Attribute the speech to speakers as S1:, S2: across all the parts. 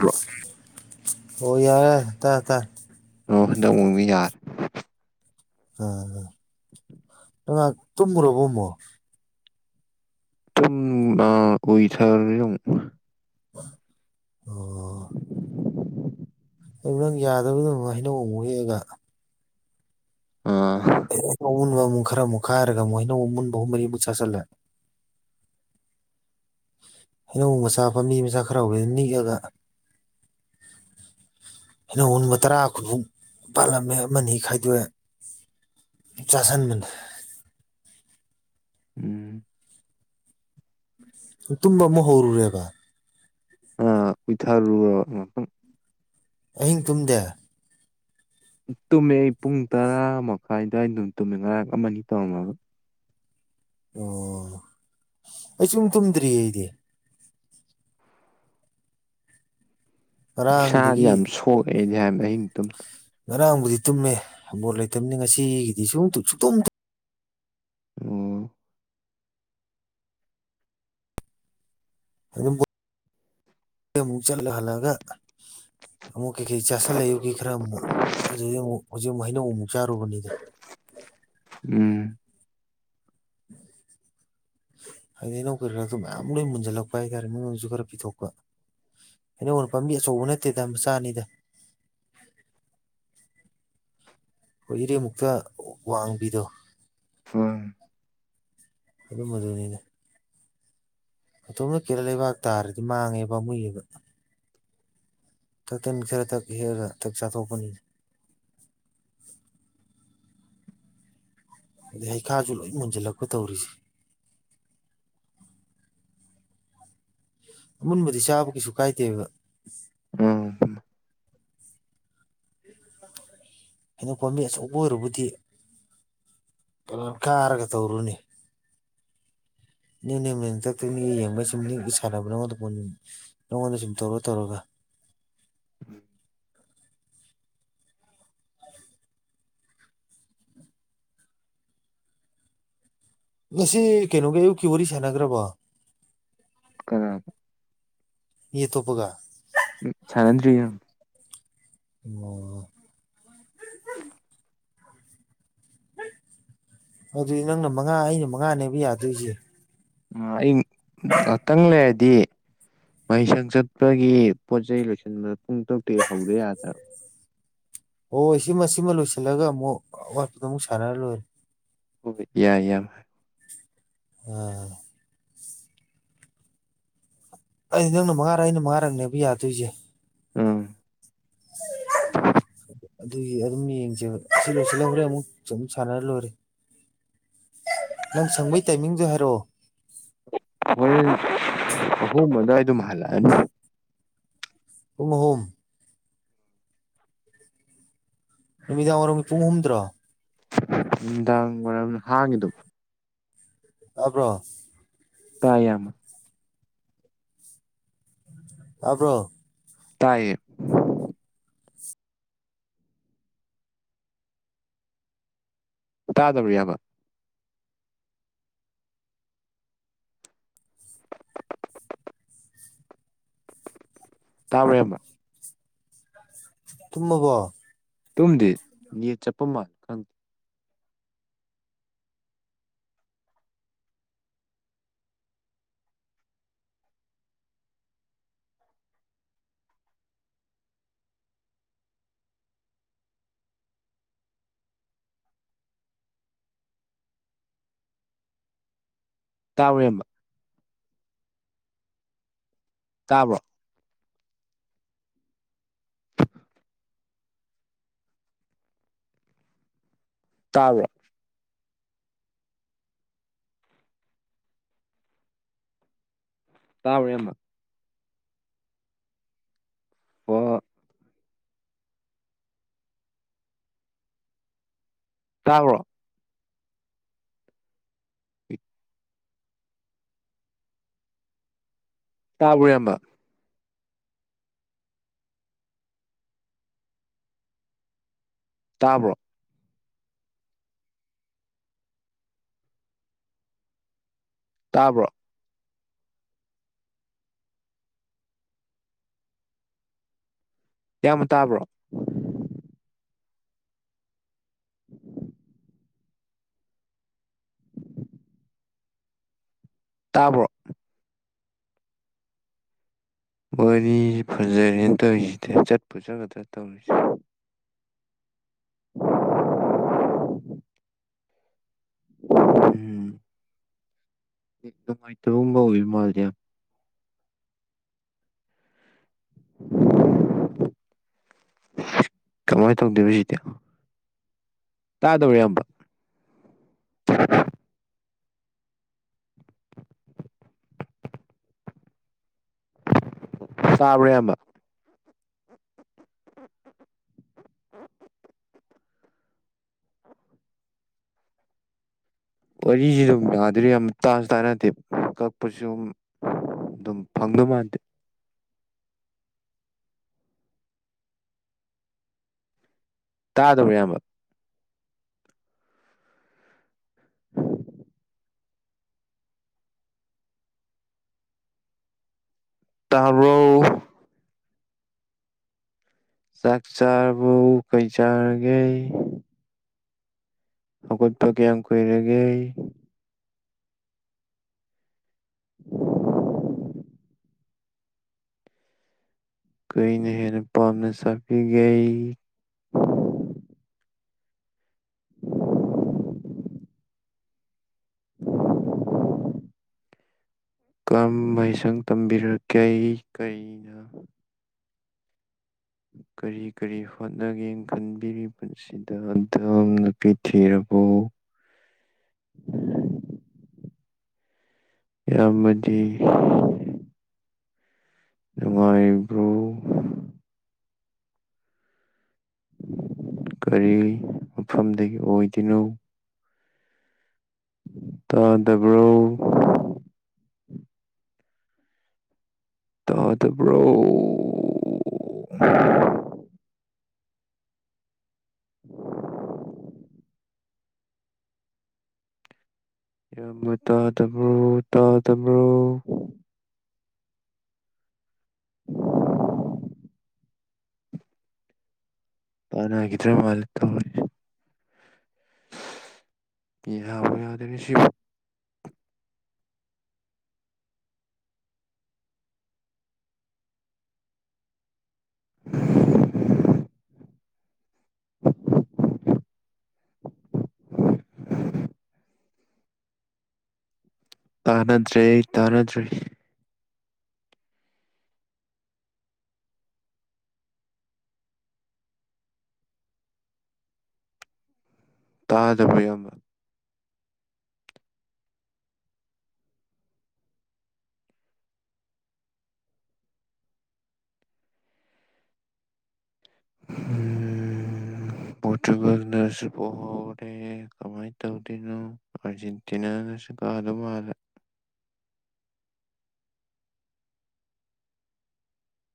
S1: ꯍ [unintelligible]
S2: ꯍ ꯌꯥꯔ ꯇ ꯇ [unintelligible]
S1: ꯑꯣ ꯈꯗꯕ ꯃꯤ ꯌꯥꯔ [unintelligible]
S2: ꯎꯝ ꯅ ꯇ꯭ꯔꯣ ꯣꯃꯣ [unintelligible]
S1: ꯇꯨꯝꯃ ꯎꯨꯏꯊꯔꯨꯔ‌ꯦ ꯑꯃꯨꯛ
S2: ꯑꯣ [inaudible] ꯑꯗꯨ ꯅꯪ ꯌꯥꯗꯕꯗ ꯍꯩꯅꯧ ꯑꯃꯨꯛ ꯍꯦꯛꯑꯒ
S1: ꯑꯥ
S2: ꯀꯧꯅ ꯑꯃꯨ [unintelligible] ꯈꯔ ꯑꯃꯨꯛ ꯈꯥꯏꯔꯒ ꯑꯃꯨꯛ ꯍꯩꯅꯧ ꯑꯃꯨꯟꯕ ꯑꯍꯨꯝ ꯃꯔꯤ ꯑꯃꯨꯛ ꯆꯥꯁꯤꯜꯂ‍ꯦ ꯍꯩꯅꯧ ꯃꯆꯥꯄ ꯃꯤ ꯃꯆꯥ ꯈꯔ ꯍꯧꯖꯤꯛ ꯅꯤꯛꯑꯒ ꯑꯩꯅ ꯍꯟꯕ ꯇꯔꯥ ꯀꯨꯟꯐꯨ ꯄꯥꯜꯂꯝꯃꯦ ꯑꯃꯅꯤ ꯈꯥꯏꯗꯣꯛꯑꯦ ꯆꯁꯤꯟꯕ
S1: ꯎꯝ
S2: ꯇꯨꯝꯕ ꯑꯃ ꯍꯧꯔꯨꯔꯦꯕ
S1: ꯎꯋꯊꯥꯔ ꯔꯨ
S2: ꯑꯍꯤꯡ ꯇꯨꯝꯗꯦ
S1: ꯇꯨꯝꯃꯦ ꯑꯩ ꯄꯨꯡ ꯇꯔꯥ ꯃꯈꯥꯏ ꯑꯗꯨꯋꯥꯏꯗ ꯇꯨꯝꯃꯤ ꯉꯔꯥꯡ ꯑꯃꯅꯤꯅꯤ ꯇꯧꯔꯝꯃꯒ
S2: ꯑꯣ [unintelligible] ꯑꯩ ꯁꯨꯝ ꯇꯨꯝꯗ꯭ꯔꯤꯌꯦ ꯑꯩꯗꯤ
S1: ꯏꯁꯥꯗꯤ
S2: ꯉꯔꯥꯡꯗꯒꯤ
S1: ꯌꯥꯝ ꯁꯣꯛꯑꯦꯗꯤ ꯍꯥꯏꯕ ꯑꯍꯤꯡ ꯇꯨꯝꯇ
S2: ꯉꯔꯥꯡꯕꯨꯗꯤ ꯇꯨꯝꯃꯦ ꯕꯣꯜ ꯂꯩꯇꯕꯅꯤ ꯉꯁꯤꯒꯤꯗꯤ ꯁꯨꯡ ꯁꯨꯛꯇꯨꯝ
S1: ꯎꯝ
S2: ꯑꯗꯨꯝ ꯑꯃꯨꯛ ꯆꯠꯂ ꯍꯜꯂꯒ ꯑꯃꯨꯛ ꯀꯩꯀꯩ ꯆꯥꯁꯤꯜꯂ‌ꯦ ꯑꯌꯨꯛꯀꯤ ꯈꯔ ꯑꯃꯨꯛ ꯑꯗꯨꯗꯤ ꯑꯃꯨꯛ ꯍꯧꯖꯤꯛ ꯑꯃꯨꯛ ꯍꯩꯅꯧ ꯑꯃꯨꯛ ꯆꯥꯔꯨꯕꯅꯤꯗ
S1: ꯎꯝ
S2: [inaudible] ꯍꯥꯏꯗꯤ ꯑꯩꯅꯧ ꯀꯔꯤꯔꯥꯁꯨ ꯃꯌꯥꯝ ꯂꯣꯏ ꯃꯨꯟꯁꯤꯜꯂꯛꯄ ꯍꯥꯏꯇꯥꯔꯦ ꯃꯤꯉꯣꯟꯁꯨ ꯈꯔ ꯄꯤꯊꯣꯛꯄ ꯑꯩꯅꯧꯣꯟ ꯄꯥꯝꯕꯤ ꯑꯆꯧꯕ ꯅꯠꯇꯦꯗ ꯃꯆꯥ ꯑꯅꯤꯗ ꯍꯣꯏ ꯏꯔꯦꯃꯨꯛꯇ ꯋꯥꯡꯕꯤꯗꯣ
S1: ꯐꯨꯡ
S2: ꯑꯗꯨꯝ ꯑꯗꯨꯅꯤꯅ ꯑꯗꯣꯝꯗ ꯀꯦꯔ ꯂꯩꯕꯥꯛ ꯇꯥꯔꯗꯤ ꯃꯥꯡꯉꯦꯕ ꯃꯨꯏꯌꯦꯕ ꯊꯇꯟ ꯈꯔ ꯊꯛ ꯍꯦꯛꯑꯒ ꯊꯛ ꯆꯥꯊꯣꯛꯄꯅꯤꯅ ꯑꯗꯩ ꯍꯩꯈꯥꯁꯨ ꯂꯣꯏ ꯃꯨꯖꯜꯂꯛꯄ ꯇꯧꯔꯤꯁꯦ ꯑꯃꯨꯟꯕꯗꯤ ꯆꯥꯕ ꯀꯩꯁꯨ ꯀꯥꯏꯗꯦꯕ
S1: ꯎꯝ
S2: ꯀꯩꯅꯣ ꯄꯣꯝꯃꯦ ꯑꯆꯧꯕ ꯑꯣꯏꯔꯕꯨꯗꯤ ꯄꯥꯟ ꯀꯥꯔꯒ ꯇꯧꯔꯨꯅꯤ ꯅꯅꯦꯇꯛꯇꯅꯤ ꯌꯦꯡꯕꯁꯤꯒꯤ ꯁꯥꯟꯅꯕꯅꯉꯗ ꯅꯪꯉꯣꯟꯗ ꯁꯨꯝ ꯇꯧꯔ ꯇꯧꯔꯒ
S1: ꯎꯝ
S2: ꯉꯁꯤ ꯀꯩꯅꯣꯒꯤ ꯑꯌꯨꯛꯀꯤ ꯋꯥꯔꯤ ꯁꯥꯟꯅꯈ꯭ꯔꯕꯣ
S1: ꯀ
S2: ꯌꯦ ꯇꯣꯞꯕꯒ
S1: ꯎꯝ ꯁꯥꯟꯅꯗ꯭ꯔꯤ
S2: ꯑꯣ ꯑꯗꯨꯗꯤ ꯅꯪꯅ ꯃꯉꯥ ꯑꯩꯅ ꯃꯉꯥꯅꯦꯕ ꯌꯥꯗꯣꯏꯁꯦ
S1: ꯑꯩ ꯉꯍꯥꯛꯇꯪ ꯂꯩꯔꯗꯤ ꯃꯍꯩꯁꯪ ꯆꯠꯄꯒꯤ ꯄꯣꯠ ꯆꯩꯩ ꯂꯣꯏꯁꯤꯟꯕꯗ ꯄꯨꯡ ꯇꯔꯨꯛꯇꯤ ꯍꯧꯗ ꯌꯥꯗ꯭ꯔ
S2: ꯍꯣꯏ ꯍꯣꯏ ꯁꯤꯃ ꯁꯤꯃ ꯂꯣꯏꯁꯤꯜꯂꯒ ꯑꯃꯨꯛ ꯑꯋꯥꯠꯄꯗ ꯑꯃꯨꯛ ꯁꯥꯟꯅꯔ ꯂꯣꯏꯔꯦ
S1: ꯍ ꯌꯥꯏ ꯌꯥꯏ
S2: ꯑꯣꯝ ꯑꯩ ꯅꯪꯅ ꯃꯉꯥꯔꯛ ꯑꯩꯅ ꯃꯉꯥꯔꯛꯅꯦꯕ ꯌꯥꯗꯣꯏꯁꯦ
S1: ꯑꯥ
S2: ꯎꯝ
S1: [inaudible]
S2: ꯑꯗꯨꯒꯤ ꯑꯗꯨꯝ ꯌꯦꯡꯁꯦꯕ ꯑꯁꯤ ꯂꯣꯏꯁꯤꯜꯍꯈ꯭ꯔꯦ ꯑꯃꯨꯛ ꯑꯗꯨꯝ ꯁꯥꯟꯅꯔ ꯂꯣꯏꯔꯦ ꯅꯪ ꯁꯪꯕꯒꯤ ꯇꯥꯏꯃꯤꯡꯗ ꯍꯥꯏꯔꯛꯑꯣ
S1: ꯑꯍꯣꯡ ꯃꯗꯨ ꯑꯩ ꯑꯗꯨꯝ ꯍꯥꯜꯂꯛꯑꯅꯤ
S2: ꯍꯃ ꯅꯨꯃꯤꯗꯥꯡ ꯋꯥꯏꯔꯝꯒꯤ ꯄꯨꯡ ꯍꯨꯝꯗ꯭ꯔꯣ
S1: ꯅꯨꯡꯗꯥꯡ ꯋꯥꯔꯝ ꯍꯥꯡꯉꯤꯗꯨꯝ
S2: ꯇꯥꯕ꯭ꯔꯣ
S1: ꯇꯥꯌꯥꯃ
S2: ꯇꯥꯕ꯭ꯔꯣ
S1: ꯇꯥꯏꯌꯦ ꯇꯥꯗꯕꯔꯤ ꯌꯥꯕ ꯇꯥꯕꯝꯕ
S2: ꯇꯨꯝ ꯅꯕꯣ
S1: ꯇꯨꯝꯗꯤ ꯠ ꯆꯠꯄ ꯃꯥꯜꯜꯂꯤꯦ ꯇꯥꯎꯔꯦꯝꯕ ꯇꯥꯕ꯭ꯔꯣ ꯇꯥꯕꯦ ꯇꯥꯎꯔꯦ ꯑꯃ ꯑꯣꯨꯡ ꯇꯥꯕ꯭ꯔꯣ ꯇꯥꯕꯌꯥꯝꯕ ꯇꯥꯕ꯭ꯔꯣ ꯇꯥꯕ꯭ꯔꯣ ꯌꯥꯝꯃ ꯇꯥꯕ꯭ꯔꯣ [inaudible] ꯇꯥꯕ꯭ꯔꯣ ꯋꯥꯔꯤꯁꯤ ꯐꯖꯔꯦꯅ ꯇꯧꯔꯤꯁꯤꯗ ꯆꯠꯄ ꯆꯠꯒꯗ꯭ꯔꯥ ꯇꯧꯔꯤꯁꯦ ꯎꯝ ꯅꯨꯡꯉꯥꯏꯇꯕꯒꯨꯝꯕ ꯑꯣꯏꯕ ꯃꯥꯜꯗꯤ ꯌꯥꯝ ꯀꯃꯥꯏꯅ ꯇꯧꯗꯦ ꯁꯤꯗꯤ ꯇꯥꯗꯧꯋ ꯌꯥꯝꯝꯕ [inaudible] ꯆꯥꯕ꯭ꯔꯦꯕ ꯎꯝ ꯎꯝ ꯎꯝ ꯋꯥꯔꯤꯁꯤ ꯑꯗꯨꯝ ꯌꯥꯗ꯭ꯔ ꯌꯥꯝ ꯇꯥꯁꯨ ꯇꯥꯅꯠꯇꯦ ꯀꯛꯄꯁꯨ ꯑꯗꯨ ꯑꯗꯨꯝ ꯐꯪꯗꯧ ꯃꯥꯟꯗꯦ ꯇꯥꯗꯕ ꯑꯌꯥꯝꯕ [unintelligible] ꯇꯔꯣ ꯆꯥꯛ ꯆꯥꯔꯕ ꯀꯩ ꯆꯥꯔꯒꯦ ꯍꯧꯈꯣꯏꯄ ꯀꯌꯥꯝ ꯀꯨꯏꯔꯦꯒꯦ ꯑꯩ ꯀꯨꯏꯅ ꯍꯦꯟꯅ ꯄꯥꯝꯅ ꯁꯥꯕꯤꯒꯦ ꯀꯔꯝꯕꯥꯏꯩꯁꯪ ꯇꯝꯕꯤꯔꯛꯀꯦ ꯀꯩꯅ ꯀꯔꯤ ꯀꯔꯤ ꯍꯣꯠꯅꯒꯦ ꯈꯟꯕꯤ ꯁꯤꯗ ꯑꯗꯨꯝ ꯅꯨꯄꯤ ꯊꯤꯔꯕ
S2: ꯑ
S1: ꯌꯥꯝꯕ ꯅꯨꯡꯉꯥꯏꯕ꯭ꯔꯣ ꯀꯔꯤ ꯃꯐꯝꯗꯒꯤ ꯑꯣꯏꯗꯣꯏꯅꯣ ꯑ ꯗꯦꯕ꯭ꯔꯣ ꯇꯗꯕ꯭ꯔꯣ [unintelligible] ꯌꯥꯝꯅ ꯇꯥꯗꯕ꯭ꯔꯣ ꯇꯥꯗꯕ꯭ꯔꯣ ꯎ ꯄꯥꯟꯅꯈꯤꯗ꯭ꯔꯃꯥꯏꯅ ꯇꯧꯔꯤ ꯏꯍꯕꯅꯤꯗꯁꯤ [inaudible] ꯇꯥꯟꯅꯗ꯭ꯔꯦ ꯑꯩ ꯇꯥꯟꯅꯗ꯭ꯔꯦ ꯇꯥꯗꯕ ꯌꯥ ꯎꯝ
S2: ꯑ
S1: ꯃꯕꯅꯁꯨ ꯄꯣꯍꯧꯔꯦ ꯀꯃꯥꯏꯅ ꯇꯧꯗꯣꯏꯅꯣ ꯑꯔꯖꯦꯟꯇꯅꯥꯅ ꯀꯥꯗ ꯃꯥꯂ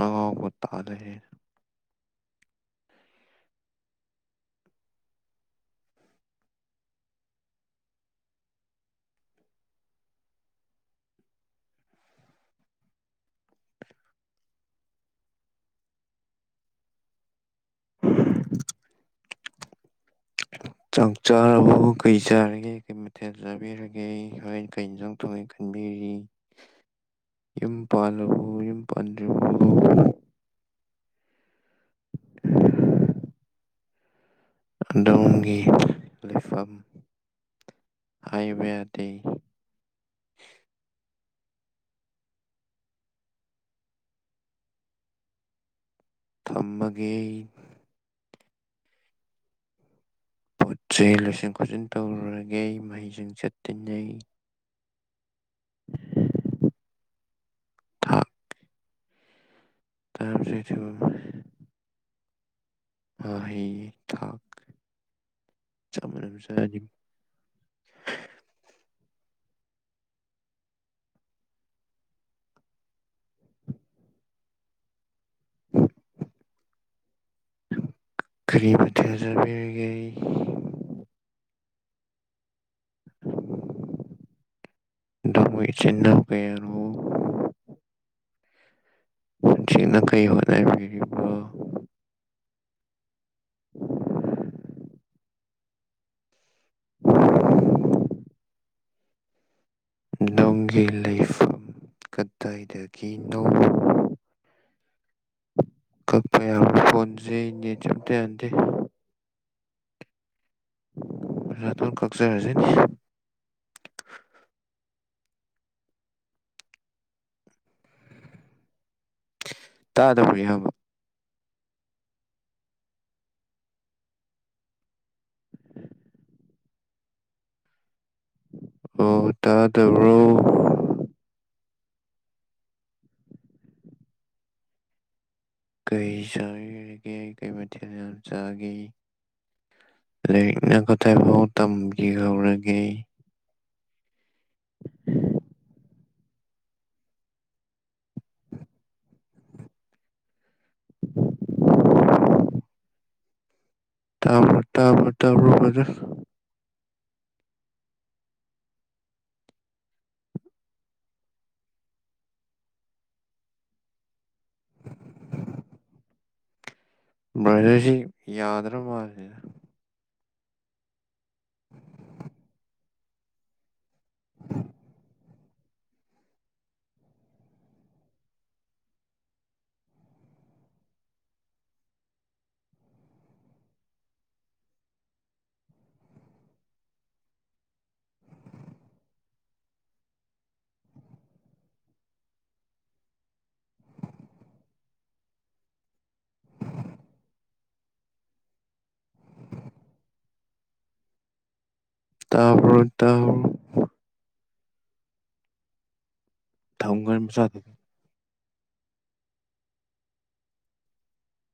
S1: ꯑꯉꯥꯎꯕ ꯇꯥꯅꯍꯦ ꯆꯥꯛ ꯆꯥꯔꯕ ꯀꯩ ꯆꯥꯔꯤꯒꯦ ꯀꯩ ꯃꯊꯦꯜ ꯆꯥꯕꯤꯔꯒꯦ ꯑꯩ ꯍꯣꯏ ꯀ ꯏꯟꯖꯥꯡꯊꯣꯡꯦ ꯈꯟꯕꯤꯔꯤ ꯌ ꯄꯥꯜꯕꯨ ꯌ ꯄꯥꯟꯖꯕ ꯑꯗꯣꯝꯒꯤ ꯂꯩꯐꯝ ꯍꯥꯏꯕ ꯌꯥꯗꯦ ꯊꯝꯃꯒꯦ ꯄꯣꯠ ꯆꯩ ꯂꯣꯏꯁꯤꯟ ꯈꯣꯠꯆꯤꯟ ꯇꯧꯔꯨꯔꯒꯦ ꯃꯍꯩꯁꯤꯡ ꯆꯠꯇꯤꯟꯅꯩ ꯊꯥ ꯇꯝ ꯁ ꯍ ꯍꯌꯦ ꯊꯥꯛ ꯆꯞ ꯃꯥꯟꯅ ꯆ ꯀꯔꯤꯕ ꯊꯥꯖꯕꯤꯔꯒꯦ ꯗꯃꯣꯏ ꯆꯤꯟꯅꯒꯅ ꯄꯨꯟꯁꯤꯡꯅ ꯀꯩ ꯍꯣꯠꯅꯕꯤꯔꯤꯕꯣ [inaudible] ꯅꯪꯒꯤ ꯂꯩꯐꯝ ꯀꯗꯥꯏꯗꯒꯤꯅꯣ ꯀꯛꯄ ꯌꯥ ꯐꯣꯟꯖꯩꯅꯦ ꯆꯝꯇ ꯌꯥꯟꯗꯦ ꯔꯇꯜ ꯀꯛꯆꯔꯖꯤ ꯇꯥꯗ ꯐꯔꯤ ꯍꯥ ꯑꯣ ꯇꯥꯔꯣ ꯀꯩ ꯆꯥꯔꯤꯒꯦ ꯀꯩ ꯃꯊꯦꯜ ꯌꯥꯝ ꯆꯥꯒꯦ ꯂꯥꯏꯔꯤꯛꯅ ꯈꯨꯇꯥꯏꯐꯥꯎ ꯇꯝꯈꯤ ꯍꯧꯧꯔꯒꯦ ꯇꯥꯕ꯭ꯔ ꯇꯥꯕ꯭ꯔ ꯇꯥꯕ꯭ꯔ ꯐꯖ ꯃꯔꯔꯁꯤ ꯌꯥꯗ꯭ꯔ ꯃꯥꯔ [inaudible] ꯇꯥ ꯇ ꯊꯝꯒ ꯃ ꯆꯥꯗꯗꯤ